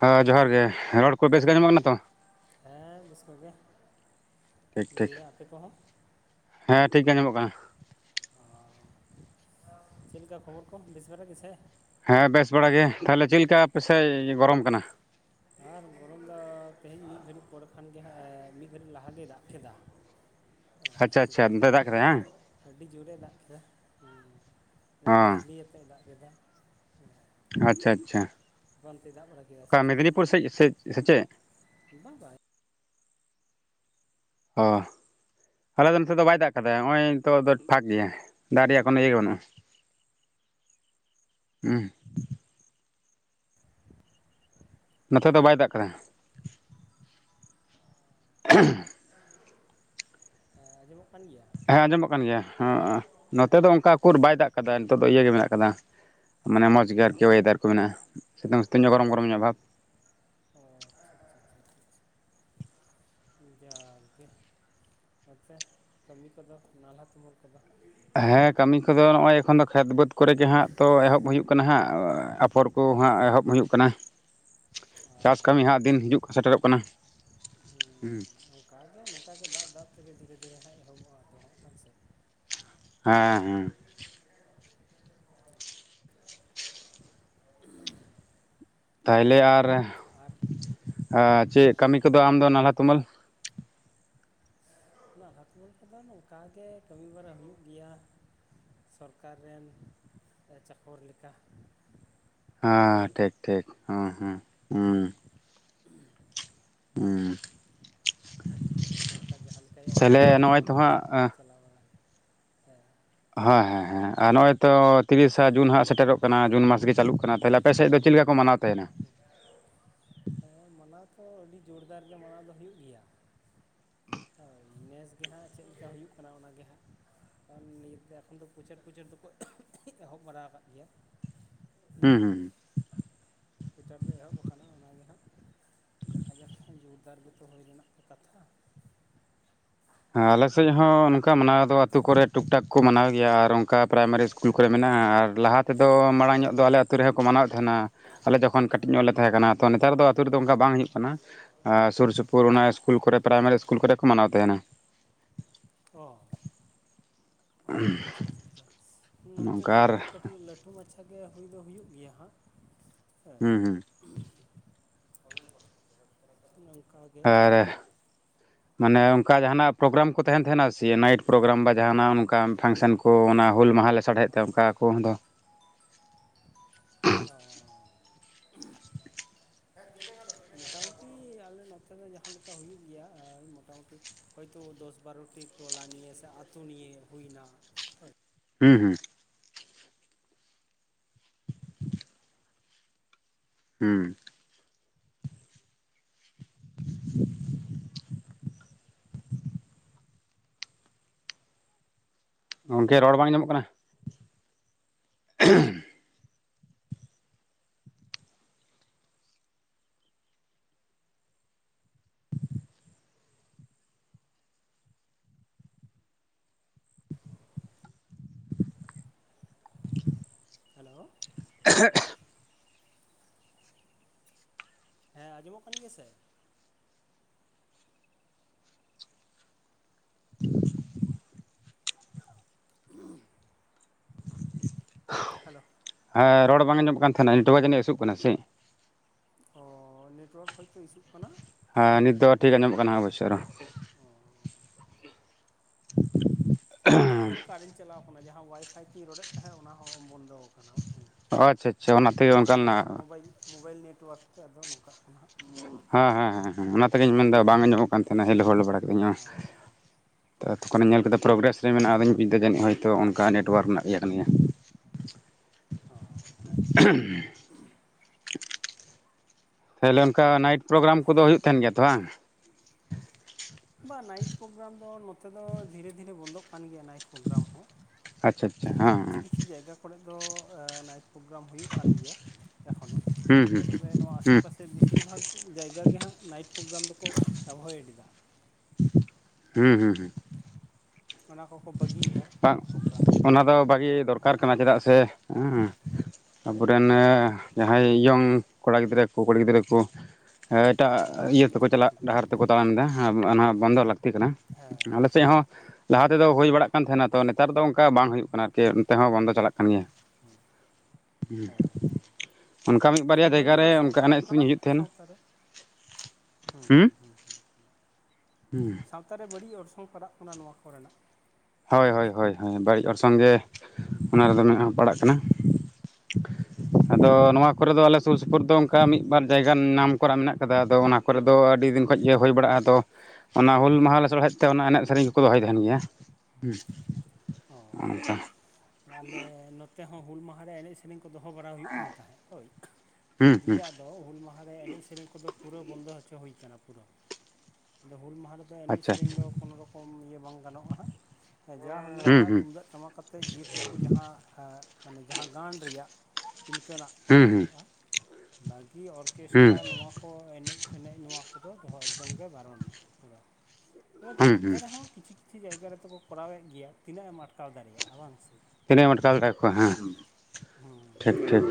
ᱦᱚᱭ ᱡᱚᱦᱟᱨ ᱜᱮ ᱨᱚᱲ ᱠᱚ ᱵᱮᱥ ᱜᱮ ᱟᱡᱚᱢᱚᱜ ᱠᱟᱱᱟ ᱛᱚ ᱦᱮᱸ ᱵᱮᱥᱠᱚ ᱜᱮ ᱴᱷᱤᱠ ᱴᱷᱤᱠ ᱦᱮᱸ ᱴᱷᱤᱠ ᱜᱮ ᱟᱡᱚᱢᱚᱜ ᱠᱟᱱᱟ ᱪᱮᱫ ᱞᱮᱠᱟ ᱠᱷᱚᱵᱚᱨ ᱠᱚᱢ ᱵᱮᱥ ᱵᱟᱲᱟ ᱜᱮ ᱥᱮ ᱦᱮᱸ ᱵᱮᱥ ᱵᱟᱲᱟ ᱜᱮ ᱛᱟᱦᱚᱞᱮ ᱪᱮᱫ ᱞᱮᱠᱟ ᱟᱯᱮᱥᱮᱫ ᱜᱚᱨᱚᱢ ᱠᱟᱱᱟ? ᱟᱨ ᱜᱚᱨᱚᱢ ᱫᱚ ᱛᱮᱦᱮᱧ ᱢᱤᱫ ᱜᱷᱟᱹᱲᱤᱡ ᱯᱚᱨᱮ ᱠᱷᱟᱱᱜᱮ ᱦᱟᱸᱜ ᱢᱤᱫ ᱜᱷᱟᱹᱲᱤᱡ ᱞᱟᱦᱟᱜᱮ ᱫᱟᱜ ᱠᱮᱫᱟ [unintelligible] ᱟᱪᱪᱷᱟ ᱟᱪᱪᱷᱟ ᱫᱟᱜ ᱠᱮᱫᱟᱭ ᱟᱹᱰᱤ ᱵᱟᱝ ᱡᱩ ᱟᱹᱰᱤ ᱡᱩᱨᱮ ᱫᱟᱜ ᱠᱮᱫᱟ ᱚ ᱵᱤᱡᱽᱞᱤᱭᱟᱼᱼ ᱛᱮ ᱫᱟᱜ ᱠᱮᱫᱟ ᱟᱪᱪᱷᱟ ᱪᱷᱟ ᱟᱯᱮ ᱚᱱᱛᱮᱭ ᱫᱟᱜ ᱵᱟᱲᱟ ᱠᱮᱫᱟ ᱚᱠᱟ ᱥᱮ ᱪᱮᱫᱠᱟ ᱢᱮᱫᱱᱤᱯᱩᱨ ᱥᱮᱡ ᱥᱮ ᱥᱮᱪᱮᱫ? ᱵᱟᱝ ᱵᱟᱭ ᱚ ᱟᱞᱮ ᱫᱚ ᱱᱤᱛᱚᱜ ᱫᱚ ᱵᱟᱭ ᱫᱟᱜ ᱠᱟᱫᱟ ᱱᱚᱜᱼᱚᱭ ᱱᱤᱛᱚᱜ ᱫᱚ ᱯᱷᱟᱠ ᱜᱮᱭᱟ ᱫᱟᱜ ᱨᱮᱭᱟᱜ ᱠᱚᱱᱳ ᱤᱭᱟᱹ ᱜᱮ ᱵᱟᱹᱱᱩᱜᱼᱟ ᱩᱸ ᱱᱚᱛᱮ ᱫᱚ ᱵᱟᱭ ᱫᱟᱜ ᱠᱟᱫᱟ᱾ [unintelligible] ᱦᱮᱸ ᱟᱸᱡᱚᱢᱚᱜ ᱠᱟᱱ ᱜᱮᱭᱟ? ᱦᱮᱸ ᱟᱸᱡᱚᱢᱚᱜ ᱠᱟᱱ ᱜᱮᱭᱟ ᱱᱚᱛᱮ ᱫᱚ ᱚᱱᱠᱟ ᱩᱠᱩᱨ ᱵᱟᱭ ᱫᱟᱜ ᱠᱟᱫᱟ ᱱᱤᱛᱚᱜ ᱫᱚ ᱤᱭᱟᱹ ᱜᱮ ᱢᱮᱱᱟᱜ ᱠᱟᱫᱟ᱾ ᱢᱟᱱᱮ ᱢᱚᱡᱽ ᱚ ᱜᱮ ᱟᱨᱠᱤ ᱚᱭᱮᱫᱟᱨ ᱠᱚ ᱢᱮᱱᱟᱜᱼᱟ ᱥᱤᱛᱩᱝ ᱥᱤᱛᱩᱝ ᱧᱚᱜ ᱚ ᱜᱚᱨᱚᱢ ᱜᱚᱨᱚᱢ ᱧᱚᱜ ᱵᱷᱟᱵᱽ᱾ ᱚ ᱟᱪᱪᱷᱟ ᱟᱪᱪᱷᱟ ᱪᱷᱟ ᱪᱷᱟ ᱪᱷᱟ᱾ ᱡᱟᱠᱼᱜᱮ ᱟᱪᱪᱷᱟ ᱠᱟᱹᱢᱤ ᱠᱚᱫᱚ ᱱᱟᱞᱦᱟ ᱛᱩᱢᱟᱹᱞ [unintelligible] ᱦᱮᱸ ᱠᱟᱹᱢᱤ ᱠᱚᱫᱚ ᱱᱚᱜᱼᱚᱭ ᱮᱠᱷᱚᱱ ᱫᱚ ᱠᱷᱮᱛ ᱵᱟᱹᱫᱽ ᱠᱚᱨᱮ ᱜᱮ ᱦᱟᱸᱜ ᱛᱚ ᱮᱦᱚᱵ ᱦᱩᱭᱩᱜ ᱠᱟᱱᱟ ᱦᱟᱸᱜ ᱟᱯᱷᱚᱨ ᱠᱚ ᱦᱟᱸᱜ ᱮᱦᱚᱵ ᱦᱩᱭᱩᱜ ᱠᱟᱱᱟ᱾ [inaudible] ᱪᱟᱥ ᱟᱪᱪᱷᱟ ᱠᱟᱹᱢᱤ ᱦᱟᱸᱜ ᱫᱤᱱ ᱟᱪᱪᱷᱟ ᱦᱤᱡᱩᱜ ᱥᱮᱴᱮᱨᱚᱜ ᱠᱟᱱᱟ ᱦᱮᱸ᱾ ᱚᱱᱠᱟᱜ ᱜᱮ ᱱᱚᱝᱠᱟ ᱜᱮ ᱫᱟᱜ ᱫᱟᱜ ᱛᱮᱜᱮ ᱫᱷᱤᱨᱮ ᱫᱷᱤᱨᱮ ᱦᱟᱸᱜ ᱮᱦᱚᱵᱚᱜᱼᱟ ᱟᱫᱚ ᱦᱟᱸᱜ ᱦᱮᱸᱥᱮ᱾ ᱦᱮᱸ ᱦᱩᱸ ᱛᱟᱦᱚᱞᱮ ᱟᱨ ᱟᱨ ᱪᱮᱫ ᱦᱮᱸ ᱠᱟᱹᱢᱤ ᱠᱚᱫᱚ ᱟᱢᱫᱚ ᱱᱟᱞᱦᱟ ᱛᱩᱢᱟᱹᱞ? ᱱᱟᱞᱦᱟᱛᱩᱢᱟᱹᱞ ᱠᱚᱫᱚ ᱱᱚᱝᱠᱟ ᱜᱮ ᱠᱟᱹᱢᱤ ᱵᱟᱲᱟ ᱦᱩᱭᱩᱜ ᱜᱮᱭᱟ᱾ ᱥᱚᱨᱠᱟᱨ ᱨᱮᱱ ᱪᱟᱠᱚᱨ ᱞᱮᱠᱟ᱾ ᱦᱮᱸ ᱦᱳᱭ ᱴᱷᱤᱠ ᱴᱷᱤᱠ ᱦᱮᱸ ᱦᱮᱸ ᱦᱩᱸ᱾ ᱦᱩᱸ ᱥᱚᱨᱠᱟᱨ ᱡᱟᱦᱟᱸ ᱞᱮᱠᱟᱭ ᱛᱟᱦᱚᱞᱮ ᱟᱹᱪᱩᱣᱟ ᱱᱚᱜᱼᱚᱭ ᱚᱱᱠᱟᱜ ᱛᱚ ᱜᱮ ᱦᱟᱸᱜ ᱟᱹᱪᱩᱨ ᱪᱟᱞᱟᱣ ᱵᱟᱲᱟᱜ ᱦᱮᱸ᱾ ᱦᱮᱸ ᱦᱮᱸ ᱦᱮᱸ ᱱᱚᱜᱼᱚᱭ ᱛᱚ ᱛᱤᱨᱤᱥᱟ ᱡᱩᱱ ᱦᱚᱸ ᱥᱮᱴᱮᱨᱚᱜ ᱠᱟᱱᱟ ᱡᱩᱱ ᱢᱟᱥ ᱜᱮ ᱪᱟᱹᱞᱩᱜ ᱠᱟᱱᱟ ᱛᱟᱦᱚᱞᱮ ᱟᱯᱮ ᱥᱮᱫ ᱫᱚ ᱪᱮᱫ ᱞᱮᱠᱟ ᱠᱚ ᱢᱟᱱᱟᱣ ᱛᱟᱦᱮᱱᱟ? ᱦᱳᱭ ᱢᱟᱱᱟᱣ ᱛᱚ ᱟᱹᱰᱤ ᱡᱳᱨᱫᱟᱨ ᱜᱮ ᱢᱟᱱᱟᱣ ᱫᱚ ᱦᱩᱭᱩᱜ ᱜᱮᱭᱟ᱾ ᱦᱳᱭ ᱱᱮᱥ ᱜᱮ ᱦᱟᱸᱜ ᱪᱮᱫ ᱞᱮᱠᱟ ᱦᱩᱭᱩᱜ ᱠᱟᱱᱟ ᱚᱱᱟᱜᱮ ᱦᱟᱸᱜ᱾ ᱚᱱ ᱱᱤᱛ ᱫᱚ ᱮᱠᱷᱚᱱ ᱫᱚ ᱯᱨᱚᱪᱟᱨ ᱴᱚᱪᱟᱨ ᱫᱚᱠᱚ ᱮᱦᱚᱵ ᱵᱟᱲᱟ ᱠᱟᱫ ᱜᱮᱭᱟ᱾ ᱦᱩᱸ ᱤᱭᱟᱹ ᱦᱩᱸ ᱯᱚᱪᱟᱨ ᱫᱚ ᱮᱦᱚᱵ ᱟᱠᱟᱱᱟ ᱚᱱᱟᱜᱮ ᱦᱟᱸᱜ᱾ ᱫᱟᱠᱷᱟ ᱡᱟᱠ ᱠᱷᱟᱱ ᱡᱳᱨᱫᱟᱨ ᱜᱮᱛᱚ ᱦᱩᱭ ᱨᱮᱱᱟᱜ ᱯᱮ ᱠᱟᱛᱷᱟ᱾ ᱦᱮᱸ ᱟᱞᱮᱥᱮᱫ ᱦᱚᱸ ᱱᱚᱝᱠᱟ ᱢᱟᱱᱟᱣ ᱫᱚ ᱟᱹᱛᱩᱳ ᱠᱚᱨᱮ ᱴᱩᱠ ᱴᱟᱠ ᱠᱚ ᱢᱟᱱᱟᱣ ᱜᱮᱭᱟ ᱟᱨ ᱚᱱᱠᱟ ᱯᱨᱟᱭᱢᱟᱨᱤ ᱤᱥ ᱠᱩᱞ ᱠᱚᱨᱮ ᱢᱮᱱᱟᱜᱼᱟ, ᱟᱨ ᱞᱟᱦᱟ ᱛᱮᱫᱚ ᱢᱟᱲᱟᱝ ᱧᱚᱜ ᱫᱚ ᱟᱞᱮ ᱟᱹᱛᱩ ᱨᱮᱦᱚᱸ ᱠᱚ ᱢᱟᱱᱟᱣᱮᱫ ᱛᱟᱦᱮᱱᱟ᱾ ᱟᱞᱮ ᱡᱚᱠᱷᱚᱱ ᱠᱟᱹᱴᱤᱡ ᱧᱚᱜ ᱞᱮ ᱛᱟᱦᱮᱸ ᱠᱟᱱᱟ ᱛᱚ ᱱᱮᱛᱟᱨ ᱫᱚ ᱟᱹᱛᱳ ᱨᱮᱫᱚ ᱚᱱᱠᱟ ᱵᱟᱝ ᱦᱳᱭᱳᱜ ᱠᱟᱱᱟ᱾ ᱟᱨ ᱥᱩᱨ ᱥᱩᱯᱩᱨ ᱚᱱᱟ ᱤᱥᱠᱩᱞ ᱠᱚᱨᱮ ᱯᱨᱟᱭᱢᱟᱨᱤ ᱤᱥᱠᱩᱞ ᱠᱚᱨᱮ ᱠᱚ ᱢᱟᱱᱟᱣ ᱛᱟᱦᱮᱱᱟ᱾ ᱚ ᱚ [unintelligible] ᱟᱪᱪᱷᱟ ᱱᱚᱛᱮ ᱱᱚᱝᱠᱟ ᱫᱚ ᱟᱨ ᱠᱟᱹᱴᱤᱡ ᱞᱟᱹᱴᱩ ᱢᱟᱪᱷᱟ ᱛᱮ ᱦᱩᱭ ᱫᱚ ᱦᱩᱭᱩᱜ ᱜᱮᱭᱟ ᱦᱟᱸᱜ᱾ ᱦᱩᱸ ᱦᱩᱸ [unintelligible] ᱟᱨ ᱦᱮ ᱢᱟᱱᱮ ᱚᱱᱠᱟ ᱡᱟᱦᱟᱱᱟᱜ ᱯᱨᱳᱜᱨᱟᱢ ᱠᱚ ᱛᱟᱦᱮᱱ ᱛᱟᱦᱮᱱᱟ ᱥᱮ ᱱᱟᱭᱤᱴ ᱯᱨᱳᱜᱨᱟᱢ ᱵᱟ ᱡᱟᱦᱟᱱᱟᱜ ᱚᱱ ᱚᱱᱠᱟ ᱯᱷᱟᱱᱥᱮᱱ ᱠᱚ ᱚᱱᱟ ᱦᱩᱹᱞ ᱢᱟᱦᱟ ᱞᱟᱥᱟᱲ ᱦᱮᱫ ᱛᱮ ᱚᱱᱠᱟ ᱠᱚ᱾ [unintelligible] [unintelligible] ᱢᱚᱴᱟ ᱢᱩᱴᱤ ᱟᱞᱮ ᱱᱚᱛᱮ ᱫᱚ ᱡᱟᱸᱦᱟ ᱞᱮᱠᱟ ᱦᱩᱭᱩᱜ ᱜᱮᱭᱟ ᱢᱚᱴᱟ ᱢᱩᱴᱤ ᱦᱚᱭ ᱛᱚ ᱫᱚᱥ ᱵᱟᱨᱚ ᱴᱤ ᱴᱚᱞᱟ ᱱᱤᱭᱮ ᱥᱮ ᱟᱹᱛᱳ ᱱᱤᱭᱮ ᱦᱩᱭ ᱱᱟ᱾ ᱦᱩᱸ ᱦᱩᱸ ᱦᱩᱸ [inaudible] ᱜᱚᱝᱠᱮ ᱨᱚᱲ ᱵᱟᱝ ᱟᱢᱚᱜ ᱠᱟᱱᱟ᱾ [unintelligible] ᱦᱮᱞᱳᱣ [unintelligible] ᱦᱮᱸ ᱟᱡᱚᱢᱚᱜ ᱠᱟᱱ [unintelligible] ᱥᱮ? [unintelligible] ᱦᱮᱞᱳ ᱦᱮᱸ ᱨᱚᱲ ᱵᱟᱝ ᱟᱸᱡᱚᱜ ᱠᱟᱱ ᱛᱟᱦᱮᱱᱟ ᱱᱮᱴᱣᱟ ᱡᱟᱹᱱᱤᱡ ᱤᱫᱤᱜ ᱠᱟᱱᱟ ᱥᱮᱜ? ᱚ ᱱᱮᱴᱚᱣᱟᱨᱠ ᱦᱳᱭ ᱛᱚ ᱤᱥᱩᱜ ᱠᱟᱱᱟ᱾ ᱦᱮᱸ ᱱᱤᱛ ᱫᱚ ᱴᱷᱤᱠ ᱟᱡᱚᱢᱚᱜ ᱠᱟᱱᱟ [unintelligible] ᱚ [inaudible] ᱦᱚᱴᱟᱛ ᱠᱚᱨᱮ ᱠᱟᱨᱮᱱ ᱪᱟᱞᱟᱣ ᱠᱟᱱᱟ, ᱡᱟᱦᱟ ᱚᱣᱟᱭ ᱯᱷᱟᱭ ᱛᱤᱧ ᱨᱚᱲ ᱮᱫ ᱛᱟᱦᱮᱸᱫ ᱚᱱᱟ ᱦᱚᱸ ᱵᱚᱱᱫᱚᱣ ᱠᱟᱱᱟ᱾ ᱦᱮᱸ ᱟᱪᱪᱷᱟ ᱟᱪᱪᱷᱟ ᱦᱚᱴᱟᱛ ᱚᱱᱟ ᱛᱮᱜᱮ ᱚᱱᱠᱟᱱᱟᱜ [unintelligible] ᱢᱳᱵᱟᱭᱤᱞ ᱢᱳᱵᱟᱭᱤᱞ ᱱᱮᱴᱣᱟᱨᱠ ᱛᱮ ᱟᱫᱚ ᱱᱚᱝᱠᱟᱜ ᱠᱟᱱᱟ᱾ ᱦᱮᱸ ᱦᱮᱸ ᱦᱮᱸ ᱚᱱᱟ ᱛᱮ ᱜᱤᱧ ᱢᱮᱱ ᱫᱟ ᱵᱟᱝ ᱟᱸᱡᱚᱢᱚᱜ ᱠᱟᱱ ᱛᱟᱦᱮᱱᱟ ᱦᱮᱞᱳ ᱦᱮᱞᱳ ᱵᱟᱲᱟ ᱠᱮᱫᱤᱧ᱾ ᱚ ᱛᱚᱠᱷᱚᱱᱮ ᱧᱮᱞ ᱠᱮᱫ ᱯᱨᱚᱜᱽᱨᱮᱥ ᱨᱮ ᱢᱮᱱᱟᱜᱼᱟ ᱟᱸᱫᱚᱧ ᱵᱩᱡ ᱫᱟ ᱡᱟᱹᱱᱤᱡ ᱦᱚᱭ ᱛᱚ ᱚᱱᱠᱟ ᱱᱮᱴᱳᱣᱟᱨᱠ ᱨᱮᱱᱟᱜ ᱤᱭᱟᱹ ᱠᱟᱱᱟ ᱜᱮᱭᱟ᱾ [inaudible] ᱛᱟᱦᱞᱮ ᱚᱱᱠᱟ ᱱᱟᱭᱤᱴ ᱯᱨᱳᱜᱨᱟᱢ ᱠᱚᱫᱚ ᱦᱳᱭᱳᱜ ᱛᱟᱦᱮᱱ ᱜᱮᱭᱟ ᱛᱚ ᱦᱟᱝ? ᱵᱟᱝ ᱱᱟᱭᱤᱴ ᱯᱨᱳᱜᱨᱟᱢ ᱫᱚ ᱱᱚᱛᱮ ᱫᱚ ᱫᱷᱤᱨᱮ ᱫᱷᱤᱨᱮ ᱵᱚᱱᱫᱚᱜ ᱠᱟᱱ ᱜᱮᱭᱟ ᱱᱟᱭᱤᱴ ᱯᱨᱳᱜᱨᱟᱢ ᱦᱚᱸ ᱟᱪᱪᱷᱟ ᱟᱪᱪᱷᱟ ᱦᱮᱸ ᱠᱤᱪᱷᱩ ᱠᱤᱪᱷᱩ ᱡᱟᱭᱜᱟ ᱠᱚᱨᱮᱫ ᱫᱚ ᱮ ᱱᱟᱭᱤᱴ ᱯᱳᱜᱨᱟᱢ ᱦᱳᱭᱳᱜ ᱠᱟᱱ ᱜᱮᱭᱟ, ᱮᱠᱷᱚᱱᱚ ᱦᱮᱸ ᱦᱩᱸ ᱛᱚᱵᱮ ᱱᱚᱣᱟ ᱟᱥᱮ ᱦᱩᱸ ᱯᱟᱥᱮ ᱵᱤᱥᱤᱨ ᱵᱷᱟᱜᱽ ᱡᱟᱭᱜᱟ ᱜᱮ ᱦᱟᱸᱜ ᱱᱟᱭᱤᱴ ᱯᱨᱳᱜᱨᱟᱢ ᱫᱚᱠᱚ ᱮᱵᱷᱚᱭᱮᱴ ᱫᱟ᱾ ᱦᱩᱸ ᱦᱩᱸ ᱦᱩᱸ ᱚᱱᱟ ᱠᱚᱠᱚ ᱵᱟᱹᱜᱤ ᱵᱟᱝ ᱚᱱᱟ ᱫᱚ ᱵᱷᱟᱜᱤ ᱫᱚᱨᱠᱟᱨ ᱦᱮᱸ ᱠᱟᱱᱟ ᱪᱮᱫᱟᱜ ᱥᱮ ᱦᱮᱸ ᱟᱵᱚ ᱨᱮᱱ ᱮ ᱡᱟᱦᱟᱸᱭ ᱤᱭᱚᱝ ᱠᱚᱲᱟ ᱜᱤᱫᱽᱨᱟᱹ ᱠᱚ ᱠᱩᱲᱤ ᱜᱤᱫᱽᱨᱟᱹ ᱠᱚ ᱦᱮ ᱮᱴᱟᱜ ᱦᱩᱸ ᱟᱜ ᱦᱩᱸ ᱤᱭᱟᱹ ᱛᱮᱠᱚ ᱴᱷᱤᱠ ᱪᱟᱞᱟᱜ ᱴᱷᱤᱠ ᱰᱟᱦᱟᱨ ᱴᱷᱤᱠ ᱛᱮᱠᱚ ᱴᱷᱤᱠ ᱛᱟᱲᱟᱢ ᱫᱟ ᱚᱱᱟ ᱵᱚᱱᱫᱚ ᱞᱟᱹᱠᱛᱤ ᱠᱟᱱᱟ᱾ ᱟᱞᱮ ᱦᱮᱸ ᱥᱮᱜ ᱦᱚᱸ ᱞᱟᱦᱟ ᱢᱟᱱᱮ ᱛᱮᱫᱚ ᱦᱩᱭ ᱵᱟᱲᱟᱜ ᱠᱟᱱ ᱛᱟᱦᱮᱱᱟ, ᱛᱚ ᱱᱮᱛᱟᱨ ᱫᱚ ᱚᱝᱠᱟ ᱵᱟᱝ ᱦᱩᱭᱩᱜ ᱠᱟᱱᱟ᱾ ᱠᱮ ᱱᱚᱛᱮ ᱦᱚᱸ ᱵᱚᱱᱫᱚ ᱪᱟᱞᱟᱜ ᱠᱟᱱ ᱜᱮᱭᱟ᱾ ᱚᱱᱠᱟ ᱢᱤᱫ ᱮᱻ ᱵᱟᱨᱭᱟ ᱡᱟᱭᱜᱟ ᱵᱟᱹᱲᱤᱡ ᱨᱮ ᱚᱨᱥᱚᱝ ᱚᱱᱠᱟ ᱯᱟᱲᱟᱜ ᱮᱱᱮᱡ ᱥᱮᱨᱮᱧ ᱠᱟᱱᱟ ᱦᱩᱭᱩᱜ ᱛᱟᱦᱮᱱᱟ ᱥᱟᱶᱛᱟ ᱨᱮ᱾ ᱦᱩᱸ ᱦᱩᱸ ᱦᱩᱸ ᱛᱟᱨᱮ ᱵᱟᱹᱲᱤᱜ ᱚᱨᱥᱚᱝ ᱯᱟᱲᱟᱜ ᱠᱟᱱᱟ ᱱᱚᱣᱟ ᱠᱚ ᱨᱮᱱᱟᱜ᱾ ᱦᱳᱭ ᱦᱳᱭ ᱦᱳᱭ ᱦᱳᱭ ᱵᱟᱹᱲᱤᱡ ᱚᱨᱥᱚᱝ ᱜᱮ ᱦᱩᱸ ᱚᱱᱟ ᱨᱮᱫᱚ ᱢᱮᱱᱟᱜᱼᱟ ᱯᱟᱲᱟᱜ ᱠᱟᱱᱟ᱾ ᱦᱩᱸ ᱟᱫᱚ ᱱᱚᱣᱟ ᱠᱚᱨᱮ ᱫᱚ ᱟᱞᱮ ᱥᱩᱨ ᱥᱩᱯᱩᱨ ᱫᱚ ᱚᱝᱠᱟ ᱢᱤᱜ ᱵᱟᱨ ᱡᱟᱭᱜᱟ ᱱᱟᱢ ᱠᱚᱨᱟ ᱱᱟᱢ ᱠᱚᱨᱟ ᱢᱮᱱᱟᱜ ᱠᱟᱫᱟ ᱟᱫᱚ ᱚᱱᱟ ᱠᱚᱨᱮᱫ ᱫᱚ ᱟᱹᱰᱤ ᱫᱤᱱ ᱠᱷᱚᱡ ᱜᱮ ᱦᱳᱭ ᱵᱟᱲᱟᱜᱼᱟ᱾ ᱟᱫᱚ ᱚᱱᱟ ᱦᱩᱞ ᱢᱟᱦᱟ ᱞᱮᱥᱟᱲᱦᱮᱫ ᱛᱮ ᱦᱮᱸ ᱚᱱᱟ ᱮᱱᱮᱜ ᱥᱮᱨᱮᱧ ᱫᱚᱠᱚ ᱫᱚᱦᱚᱭ ᱛᱟᱦᱮᱸᱱ ᱜᱮᱭᱟ᱾ ᱦᱩ ᱚ ᱟᱞᱮ ᱱᱚᱛᱮ ᱦᱚᱸ ᱦᱩᱞ ᱢᱟᱦᱟ ᱨᱮ ᱮᱱᱮᱡ ᱥᱮ ᱨᱮᱧ ᱠᱚ ᱫᱚᱦᱚ ᱵᱟᱲᱟ ᱦᱩᱭᱩᱜ ᱠᱟᱱ ᱛᱟᱦᱮᱸ ᱦᱳᱭ ᱦᱩᱸ ᱦᱩᱸ ᱫᱤᱭᱮ ᱟᱫᱚ ᱦᱩᱞ ᱢᱟᱦᱟ ᱨᱮ ᱮᱱᱮᱡ ᱥᱮᱨᱮᱧ ᱠᱚᱫᱚ ᱯᱩᱨᱟᱹ ᱵᱚᱱᱫᱚ ᱦᱚᱪᱚ ᱦᱩᱭ ᱠᱟᱱᱟ ᱯᱩᱨᱟᱹ ᱟᱫᱚ ᱦᱩᱞ ᱢᱟᱦᱟ ᱫᱚ ᱮᱱᱮᱡ ᱟᱪᱪᱷᱟ ᱥᱮᱨᱮᱧ ᱫᱚ ᱠᱳᱱᱳ ᱨᱚᱠᱚᱢ ᱜᱮ ᱵᱟᱝ ᱜᱟᱱᱚᱜᱼᱟ ᱦᱟᱸᱜ ᱡᱟ ᱦᱩᱭᱩᱜ ᱦᱩᱸ ᱦᱩᱸ ᱛᱩᱢᱫᱟᱹᱜ ᱴᱟᱢᱟᱠ ᱟᱛᱮᱜ ᱡᱮ ᱴᱩᱠᱩ ᱡᱟᱦᱟᱸ ᱢᱟᱱᱮ ᱡᱟᱦᱟᱸ ᱜᱟᱱ ᱨᱮᱭᱟᱜ ᱤᱱᱠᱟᱹᱱᱟᱜ᱾ ᱠᱚᱨᱟᱣ ᱦᱩᱸ ᱦᱩᱸ ᱦᱩᱭᱩᱜᱼᱟ, ᱵᱟᱠᱤ ᱚᱨᱠᱮᱥᱴᱨ ᱦᱩᱸ ᱱᱚᱣᱟ ᱠᱚ ᱮᱱᱮᱡ ᱯᱷᱮᱱᱮᱡ ᱱᱚᱣᱟ ᱠᱚᱫᱚ ᱫᱚᱦᱚ ᱮᱠᱫᱚᱢ ᱜᱮ ᱵᱟᱨᱚᱱ ᱯᱩᱨᱟ᱾ ᱛᱚᱵᱮᱠ ᱦᱩᱸ ᱦᱩᱸ ᱮᱱᱛᱮ ᱨᱮᱦᱚᱸ ᱠᱤᱪᱷᱩ ᱠᱤᱪᱷᱩ ᱡᱟᱭᱜᱟ ᱨᱮᱫᱚ ᱠᱚ ᱠᱚᱨᱟᱣᱮᱫ ᱜᱮᱭᱟ, ᱛᱤᱱᱟᱹᱜ ᱮᱢ ᱟᱴᱠᱟᱣ ᱫᱟᱲᱮᱭᱟᱜᱼᱟ ᱵᱟᱝ ᱥᱮ᱾ ᱛᱤᱱᱟᱹᱜ ᱮᱢ ᱟᱴᱠᱟᱣ ᱫᱟᱲᱮᱭᱟᱠᱚᱣᱟ ᱦᱮᱸ ᱴᱷᱤᱠ ᱦᱮᱸ ᱴᱷᱤᱠ᱾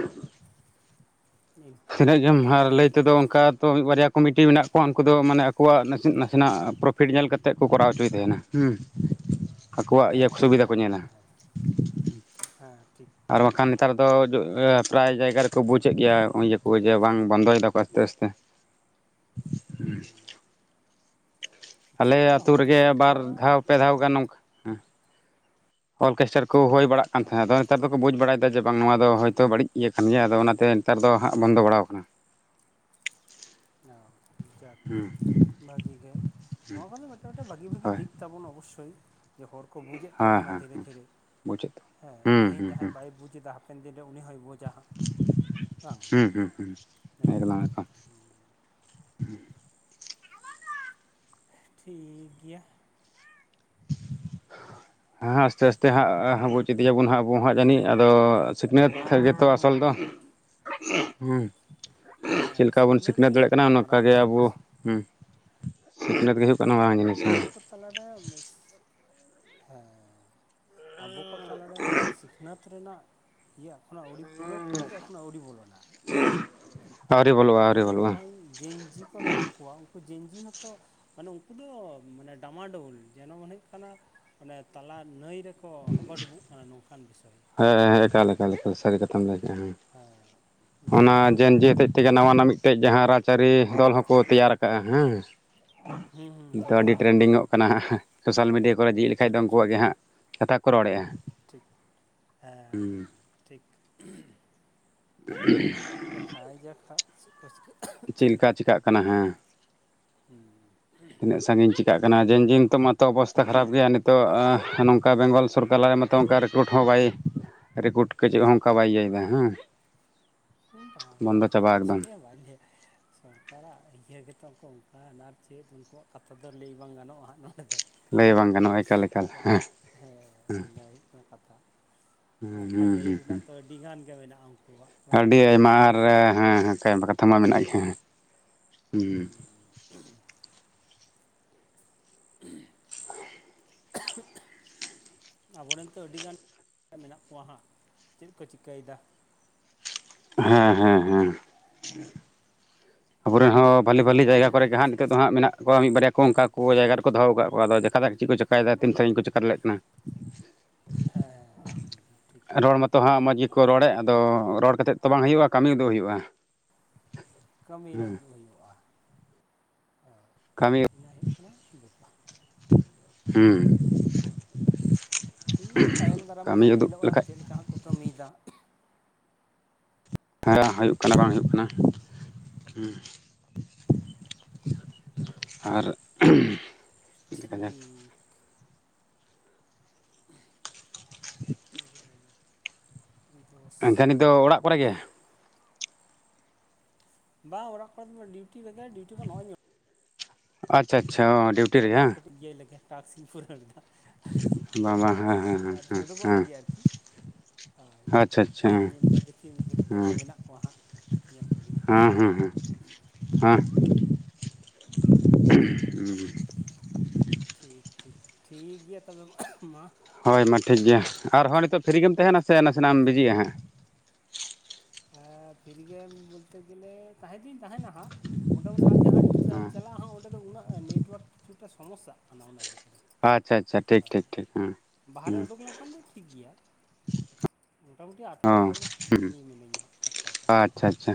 ᱤᱱᱠᱟᱹ ᱛᱤᱱᱟᱹᱜ ᱜᱮᱢ ᱟᱨ ᱞᱟᱹᱭ ᱛᱮᱫᱚ ᱠᱟ ᱛᱚ ᱢᱤᱜ ᱵᱟᱨᱭᱟ ᱠᱚᱢᱤᱴᱤ ᱢᱮᱱᱟᱜ ᱠᱚᱣᱟ ᱩᱱᱠᱩ ᱫᱚ ᱢᱟᱱᱮ ᱟᱠᱚᱣᱟᱜ ᱱᱟᱥᱮ ᱱᱟᱥᱮᱱᱟᱜ ᱯᱨᱚᱯᱷᱤᱴ ᱧᱮᱞ ᱠᱟᱛ ᱛᱮᱜ ᱠᱚ ᱠᱚᱨᱟᱣ ᱚᱪᱩᱭ ᱛᱟᱦᱮᱱᱟᱸ ᱦᱩᱸ ᱟᱠᱚᱣᱟᱜ ᱤᱭᱟᱹ ᱦᱮᱸ ᱦᱮᱸ ᱥᱩᱵᱤᱫᱟ ᱠᱚ ᱦᱮᱸ ᱧᱮᱞᱟ᱾ ᱦᱮᱸ ᱦᱮᱸ ᱦᱮᱸ ᱴᱷᱤᱠ ᱟᱨ ᱵᱟᱠᱷᱟᱱ ᱚᱱᱠᱟ ᱱᱮᱛᱟᱨ ᱫᱚ ᱡᱚ ᱮ ᱯᱨᱟᱭ ᱡᱟᱭᱜᱟ ᱨᱮᱠᱚ ᱵᱩᱡᱮᱜ ᱜᱮᱭᱟ ᱦᱚᱸᱜᱼᱚᱭ ᱤᱭᱟᱹᱠᱚ ᱡᱮ ᱵᱟᱝ ᱵᱚᱱᱫᱚᱭ ᱫᱟᱠᱚ ᱟᱥᱛᱮ ᱟᱥᱛᱮ᱾ ᱦᱩᱸ ᱟᱞᱮ ᱜᱟᱱ ᱟᱹᱛᱩ ᱦᱚᱲ ᱨᱮᱜᱮ ᱢᱮᱱᱟᱜ ᱵᱟᱨ ᱠᱚᱣᱟ ᱫᱷᱟᱣ ᱯᱮ ᱫᱷᱟᱣ ᱜᱟᱱ ᱱᱚᱝᱠᱟ ᱦᱮᱸ ᱚᱨᱠᱮᱥᱴᱟᱨ ᱠᱚ ᱦᱩᱭ ᱵᱟᱲᱟᱜ ᱠᱟᱱ ᱦᱮᱸ ᱛᱟᱦᱮᱸᱫ ᱟᱫᱚ ᱱᱮᱛᱟᱨ ᱫᱚᱠᱚ ᱵᱩᱡᱽ ᱵᱟᱲᱟᱭᱫᱟ ᱡᱮ ᱵᱟᱝ ᱱᱚᱣᱟ ᱫᱚ ᱦᱳᱭᱛᱚ ᱵᱟᱹᱲᱤᱡ ᱤᱭᱟᱹ ᱠᱟᱱ ᱜᱮᱭᱟ ᱟᱫᱚ ᱚᱱᱟᱛᱮ ᱱᱮᱛᱟᱨ ᱫᱚ ᱦᱟᱸᱜ ᱵᱚᱱᱫᱚ ᱵᱟᱲᱟᱣ ᱠᱟᱱᱟ᱾ ᱚ [unintelligible] ᱦᱩᱸ ᱵᱷᱟᱜᱤ ᱜᱮ ᱱᱚᱣᱟ ᱠᱚᱫᱚ ᱢᱤᱫᱴᱟᱝ ᱢᱤᱫᱴᱟᱝ ᱵᱷᱟᱹᱜᱤ ᱵᱷᱟᱹᱜᱤ ᱦᱳᱭ ᱫᱤᱠ ᱛᱟᱵᱚᱱ ᱚᱵᱚᱥᱥᱳᱭ ᱡᱮ ᱦᱚᱲ ᱠᱚ ᱵᱩᱡᱮᱜ ᱦᱮᱸ ᱛᱟᱵᱚᱱᱟ ᱫᱷᱤᱨᱮ ᱦᱮᱸ ᱫᱷᱤᱨᱮ ᱵᱩᱡᱮᱫ ᱦᱮᱸ ᱦᱩᱸ ᱛᱮᱦᱮᱧ ᱦᱩᱸ ᱦᱩᱸ ᱡᱟᱦᱟᱸᱭ ᱵᱟᱭ ᱵᱩᱡᱽ ᱮᱫᱟ ᱦᱟᱯᱮᱱ ᱫᱤᱱᱨᱮ ᱩᱱᱤ ᱦᱚᱸᱭ ᱵᱩᱡᱽ ᱡᱟ ᱦᱟᱸᱜ ᱵᱟᱝ ᱦᱩᱸ ᱦᱩᱸ ᱦᱩᱸ ᱮᱠᱫᱚᱢ ᱦᱮᱸ ᱴᱷᱤᱠ ᱜᱮᱭᱟ ᱦᱮᱸ ᱦᱮᱸ ᱟᱥᱛᱮ ᱟᱥᱛᱮ ᱦᱟᱸᱜ ᱵᱩᱪ ᱤᱫᱤᱭᱟᱵᱚᱱ ᱦᱟᱸᱜ ᱟᱵᱚ ᱦᱟᱸᱜ ᱡᱟᱹᱱᱤᱡ ᱟᱫᱚ ᱥᱤᱠᱷᱱᱟᱹᱛ ᱜᱮᱛᱚ ᱟᱥᱚᱞ ᱫᱚ ᱦᱮᱸ ᱦᱮᱸ ᱪᱮᱫᱞᱮᱠᱟ ᱵᱚᱱ ᱥᱤᱠᱷᱱᱟᱹᱛ ᱜᱮ ᱫᱟᱲᱮᱭᱟᱜ ᱦᱩᱭᱩᱜ ᱠᱟᱱᱟ ᱢᱟᱨᱟᱝ ᱚᱱᱠᱟᱜᱮ ᱟᱵᱚ ᱡᱤᱱᱤᱥ ᱦᱩᱸ ᱥᱤᱠᱷᱱᱟᱹᱛ ᱜᱮ ᱦᱩᱭᱩᱜ ᱠᱟᱱᱟ ᱢᱟᱨᱟᱝ ᱡᱤᱱᱤᱥ [unintelligible] ᱠᱚ ᱛᱟᱦᱞᱮ ᱚᱱᱮ ᱢᱮᱥ ᱦᱮᱸ ᱟᱵᱚ ᱠᱚ ᱛᱟᱞᱟᱨᱮ ᱚᱱᱟ ᱥᱤᱠᱷᱱᱟᱹᱛ ᱨᱮᱱᱟᱜ ᱤᱭᱟᱹ ᱮᱠᱷᱚᱱᱳ ᱯᱩᱨᱟᱹ ᱯᱩᱨᱤ ᱫᱚ ᱮᱠᱷᱚᱱᱳ ᱟᱹᱣᱨᱤ ᱵᱚᱞᱚᱱᱟ ᱦᱮᱸ ᱟᱹᱣᱨᱤ ᱵᱚᱞᱚᱜᱼᱟ ᱟᱹᱣᱨᱤ ᱟᱵᱚᱨᱮᱱ ᱵᱚᱞᱚᱜᱼᱟ ᱡᱟᱦᱟᱸᱭ ᱡᱮᱧᱡᱤ ᱠᱚ ᱢᱮᱱᱟᱜ ᱠᱚᱣᱟ ᱩᱱᱠᱩ ᱡᱮᱧᱡᱤ ᱦᱚᱛᱚ ᱢᱟᱱᱮ ᱩᱱᱠᱩ ᱫᱚ ᱢᱟᱱᱮ ᱰᱟᱢᱟᱰᱳᱩᱞ ᱡᱮᱱᱚ ᱢᱚᱱᱮ ᱦᱩᱭᱩᱜ ᱠᱟᱱᱟ ᱚᱱᱮ ᱛᱟᱞᱟ ᱱᱟᱹᱭ ᱨᱮ ᱠᱚ ᱦᱟᱵᱟ ᱰᱩᱵᱩᱜ ᱠᱟᱱᱟ ᱱᱚᱝᱠᱟᱱ ᱵᱤᱥᱚᱭ ᱦᱮᱸ ᱦᱮᱸ ᱮᱠᱟᱞ ᱮᱠᱟᱞ ᱮᱠᱟᱞ ᱥᱟᱹᱨᱤ ᱠᱟᱛᱷᱟ ᱮᱠᱫᱚᱢ ᱦᱮᱸ ᱚᱱᱟ ᱱᱩᱠᱩ ᱡᱮᱧᱡᱤ ᱦᱚᱛᱮᱡ ᱛᱮᱜᱮ ᱱᱟᱣᱟᱱᱟᱜ ᱢᱤᱫᱴᱮᱡ ᱡᱟᱦᱟᱸ ᱨᱟᱡᱽᱟᱹᱨᱤ ᱫᱚᱞ ᱦᱚᱸᱠᱚ ᱛᱮᱭᱟᱨ ᱠᱟᱜᱼᱟ ᱦᱮᱸ ᱦᱩᱸ ᱦᱩᱸ ᱦᱩᱸ ᱱᱤᱛᱚᱜ ᱟᱹᱰᱤ ᱦᱩᱸ ᱦᱩᱸ ᱴᱨᱮᱱᱰᱤᱝ ᱚᱜ ᱠᱟᱱᱟ ᱦᱩᱸ ᱦᱟᱸᱜ, ᱥᱳᱥᱟᱞ ᱢᱤᱰᱤᱭᱟ ᱠᱚᱨᱮ ᱡᱷᱤᱡ ᱞᱮᱠᱷᱟᱡ ᱫᱚ ᱦᱟᱱᱰᱨᱮᱰ ᱩᱱᱠᱩᱣᱟᱜ ᱜᱮ ᱦᱟᱱᱰᱨᱮᱰ ᱦᱟᱸᱜ ᱠᱟᱛᱷᱟ ᱠᱚ ᱨᱚᱲᱮᱜᱼᱟ ᱴᱷᱤᱠ ᱦᱮᱸ ᱦᱮᱸ ᱴᱷᱤᱠ [unintelligible] ᱫᱮᱠᱷᱟᱭ ᱡᱟᱠ ᱦᱟᱸᱜ ᱪᱮᱫᱠᱚ ᱪᱤᱠᱟᱹᱜ ᱪᱮᱫ ᱞᱮᱠᱟ ᱪᱤᱠᱟᱜ ᱠᱟᱱᱟ ᱦᱮᱸ ᱦᱩᱸ ᱛᱤᱱᱟᱹᱜ ᱥᱟᱺᱜᱤᱧ ᱪᱤᱠᱟᱹᱜ ᱠᱟᱱᱟ? ᱡᱮᱧᱡᱤ ᱱᱤᱛᱚᱜ ᱢᱟᱛᱚ ᱚᱵᱚᱥᱛᱟ ᱠᱷᱟᱨᱟᱯ ᱜᱮᱭᱟ ᱱᱤᱛᱚᱜ ᱱᱚᱝᱠᱟ ᱵᱮᱝᱜᱚᱞ ᱥᱚᱨᱠᱟᱨ [unintelligible] ᱛᱚ ᱚᱱᱠᱟ ᱨᱮᱠᱳᱴ ᱦᱚᱸ ᱵᱟᱭ ᱨᱮᱠᱳᱰ ᱠᱚ ᱪᱮᱫ ᱦᱚᱸ ᱚᱱᱠᱟ ᱵᱟᱭ ᱤᱭᱟᱹᱭᱮᱫᱟ ᱮᱸ [unintelligible] ᱵᱟᱦᱟ ᱪᱮᱫ ᱦᱚ ᱵᱟᱹᱧ ᱞᱟᱹᱭᱟ ᱥᱚᱨᱠᱟᱨᱟᱜ ᱤᱭᱟᱹ ᱜᱮᱛᱚ ᱠᱚ ᱚᱱᱠᱟᱱᱟ ᱟᱨ ᱪᱮᱫ ᱩᱱᱠᱩᱣᱟᱜ ᱠᱟᱛᱷᱟ ᱫᱚ ᱞᱟᱹᱭ ᱵᱟᱝ ᱜᱟᱱᱚᱜᱼᱟ ᱟᱫᱚ ᱞᱟᱹᱭ ᱵᱟᱝ ᱜᱟᱱᱚᱜᱼᱟ ᱮᱠᱟᱞ ᱮᱠᱟᱞ ᱦᱮᱸ ᱦᱮᱸ ᱤᱱᱟᱹ ᱦᱩᱭᱩᱜ ᱠᱟᱱᱟ ᱠᱟᱛᱷᱟ ᱵᱟᱝᱠᱷᱟᱱ ᱞᱟᱹᱭ ᱨᱮᱱᱟᱜ ᱛᱚ ᱟᱹᱰᱤ ᱜᱟᱱ ᱜᱮ ᱢᱮᱱᱟᱜᱼᱟ ᱩᱱᱠᱩᱣᱟᱜ ᱵᱟᱝ ᱟᱹᱰᱤ ᱟᱭᱢᱟ ᱟᱨ ᱦᱮᱸ ᱠᱟᱛᱷᱟ ᱢᱟ ᱢᱮᱱᱟᱜ ᱜᱮ ᱦᱩᱸ [unintelligible] [unintelligible] ᱟᱵᱚᱨᱮᱱ ᱛᱚ ᱟᱹᱰᱤ ᱜᱟᱱ ᱢᱮᱱᱟᱜ ᱠᱚᱣᱟ ᱦᱟᱸᱜ ᱪᱮᱫ ᱠᱚ ᱪᱤᱠᱟᱹᱭᱮᱫᱟ? ᱵᱟᱝ ᱦᱮᱸ ᱦᱮᱸ ᱦᱮᱸ ᱟᱵᱚᱨᱮᱱ ᱦᱚᱸ ᱵᱷᱟᱞᱤ ᱛᱤᱱᱟᱹᱜ ᱵᱷᱟᱞᱤ ᱜᱟᱱ ᱡᱟᱭᱜᱟ ᱠᱚᱨᱮ ᱜᱮ ᱦᱟᱸᱜ ᱪᱮᱫ ᱱᱤᱛᱚᱜ ᱫᱚ ᱪᱤᱠᱟᱹᱜ ᱦᱟᱸᱜ ᱠᱟᱱᱟ ᱢᱮᱱᱟᱜ ᱠᱚᱣᱟ ᱢᱤᱫ ᱵᱟᱨᱭᱟ ᱠᱚ ᱚᱱᱠᱟ ᱠᱚ ᱡᱟᱭᱜᱟ ᱨᱮᱠᱚ ᱫᱚᱦᱚ ᱟᱠᱟᱫ ᱠᱚᱣᱟ ᱟᱫᱚ ᱫᱮᱠᱷᱟ ᱡᱟᱠ ᱪᱮᱫ ᱪᱮᱠᱟᱭᱮᱫᱟ ᱛᱤᱱ ᱥᱟᱺᱜᱤᱧ ᱠᱚ ᱪᱮᱠᱟ ᱫᱟᱲᱮᱜ ᱠᱟᱱᱟ ᱦᱮᱸ ᱦᱮᱸ ᱦᱮᱸ ᱴᱷᱤᱠ ᱢᱮᱱᱟᱜ ᱠᱚᱣᱟ ᱛᱚ ᱨᱚᱲ ᱠᱟᱛᱮᱫ ᱛᱚ ᱵᱟᱝ ᱦᱩᱭᱩᱜᱼᱟ ᱠᱟᱹᱢᱤ ᱩᱫᱩᱜ ᱦᱩᱭᱩᱜᱼᱟ ᱠᱟᱹᱢᱤᱨᱮ ᱩᱫᱩᱜ ᱦᱩᱭᱩᱜᱼᱟ ᱤᱱᱟᱹ ᱦᱩᱭᱩᱜ ᱠᱟᱱᱟ ᱵᱮᱯᱟᱨ ᱦᱩᱸ ᱴᱷᱤᱠ ᱜᱮᱭᱟ ᱛᱟᱭᱚᱢ ᱫᱟᱨᱟᱢ ᱜᱮ ᱦᱟᱸᱜ ᱧᱮᱞᱚᱜᱼᱟ᱾ ᱪᱮᱫ ᱞᱮᱠᱟ ᱦᱟᱸᱜ ᱠᱚ ᱠᱟᱹᱢᱤᱭᱮᱫᱟ? ᱦᱮᱸ ᱦᱩᱭᱩᱜ ᱠᱟᱱᱟ ᱵᱟᱝ ᱦᱩᱭᱩᱜ ᱠᱟᱱᱟ ᱦᱩᱸ ᱟᱨ ᱴᱷᱤᱠ ᱛᱤᱱ ᱜᱷᱟᱲᱤᱡ ᱦᱩᱭᱮᱱᱟ? ᱫᱚᱥ ᱮᱱᱠᱷᱟᱱ ᱱᱤᱛ ᱫᱚ ᱚᱲᱟᱜ ᱠᱚᱨᱮ ᱜᱮ ᱵᱟᱝ ᱚᱲᱟᱜ ᱠᱷᱚᱱ ᱫᱚ ᱵᱟᱝ ᱰᱤᱭᱩᱴᱤ ᱨᱮᱜᱮᱡ ᱰᱤᱭᱣᱴᱤ ᱠᱷᱚᱱ ᱱᱚᱜᱼᱚᱭ ᱤᱧ ᱟᱪᱪᱷᱟ ᱟᱪᱪᱷᱟ ᱰᱤᱭᱩᱴᱤ ᱨᱮ ᱟᱫᱚ ᱵᱟᱝ ᱠᱟᱹᱴᱤᱡ ᱤᱭᱟᱹᱟᱭ ᱞᱮᱜᱮ ᱴᱟᱠᱥᱤᱧ ᱯᱩᱨᱟᱹᱣᱟ ᱟᱨᱠᱤ ᱵᱟᱝ ᱵᱟᱝ ᱦᱮᱸ ᱰᱤᱭᱩᱴᱤ ᱞᱮᱠᱟ ᱦᱮᱸ ᱟᱫᱚᱧ ᱩᱰᱩᱠᱚᱜ ᱦᱮᱸ ᱞᱟᱹᱜᱤᱫ ᱟᱨᱠᱤ ᱦᱚᱭ ᱟᱪᱪᱷᱟ ᱟᱪᱪᱷᱟ ᱦᱮᱸ ᱧᱮᱞ ᱢᱮ ᱫᱮᱠᱷᱤ ᱢᱤᱫ ᱠᱟᱹᱴᱤᱡ ᱚᱠᱚᱭ ᱠᱚ ᱢᱮᱱᱟᱜ ᱠᱚᱣᱟ ᱦᱟᱸᱜ ᱧᱮᱞ ᱠᱚᱜᱮᱧ ᱦᱮᱸ ᱦᱮᱸ ᱦᱮᱸ ᱦᱮᱸ ᱴᱷᱤᱠ ᱴᱷᱤᱠ ᱴᱷᱤᱠ ᱜᱮᱭᱟ ᱛᱚᱵᱮ ᱢᱟ ᱦᱳᱭ ᱢᱟ ᱴᱷᱤᱠ ᱦᱩᱸ ᱜᱮᱭᱟ ᱟᱨᱦᱚᱸ ᱱᱤᱛᱚᱜ ᱯᱷᱤᱨᱨᱤ ᱜᱮᱢ ᱛᱟᱦᱮᱸᱱᱟ ᱥᱮ ᱱᱟᱥᱮᱱᱟᱜ ᱮᱢ ᱵᱤᱡᱤᱜᱼᱟ ᱦᱟᱸᱜ ᱯᱷᱤᱨ ᱜᱮ ᱵᱚᱞᱛᱮ ᱜᱮᱞᱮ ᱛᱟᱦᱮᱸ ᱫᱩᱧ ᱛᱟᱦᱮᱸᱱᱟ ᱦᱟᱸᱜ ᱢᱳᱴᱟ ᱢᱩᱩᱴᱤ ᱟᱨ ᱡᱟᱦᱟᱸ ᱨᱤᱧ ᱪᱟᱞᱟᱜᱼᱟ ᱦᱟᱸᱜ ᱚᱸᱰᱮ ᱫᱚ ᱩᱱᱟᱹᱜ ᱱᱮᱴᱣᱟᱨᱠ ᱠᱤᱪᱷᱩᱴᱟ ᱥᱚᱢᱚᱥᱥᱟᱜ ᱠᱟᱱᱟ ᱚᱱᱟ ᱡᱟᱭᱜᱟ ᱨᱮ ᱟᱪᱪᱷᱟ ᱟᱪᱪᱷᱟ ᱴᱷᱤᱠ ᱴᱷᱤᱠ ᱴᱷᱤᱠ ᱦᱮᱸ ᱵᱟᱦᱟᱨᱮ ᱦᱮᱸ ᱩᱰᱩᱠ ᱞᱮᱱᱠᱷᱟᱱ ᱫᱚ ᱴᱷᱤᱠ ᱜᱮᱭᱟ ᱢᱳᱴᱟᱢᱩᱴᱤ ᱚ ᱟᱴᱴᱟ ᱯᱚᱨ ᱫᱚ ᱯᱷᱤᱨᱤ ᱦᱮᱸ ᱜᱮ ᱢᱤᱱᱟᱹᱧᱟ ᱟᱴᱴᱟ ᱯᱚᱨ ᱫᱚ ᱟᱪᱪᱷᱟ ᱟᱪᱪᱷᱟ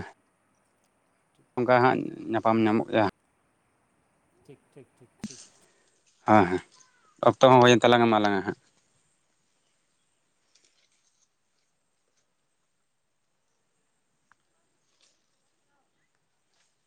ᱚᱱᱠᱟ ᱦᱟᱸᱜ ᱧᱟᱯᱟᱢ ᱧᱟᱢᱚᱜ ᱜᱮᱭᱟ ᱴᱷᱤᱠ ᱴᱷᱤᱠ ᱴᱷᱤᱠ ᱴᱷᱤᱠ ᱦᱮᱸ ᱦᱮᱸ ᱚᱠᱛᱚ ᱦᱚᱸ ᱦᱩᱭᱮᱱ ᱛᱟᱞᱟᱝ ᱢᱟᱞᱟᱝᱟ ᱦᱟᱸᱜ